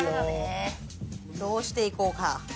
どうしていこうか。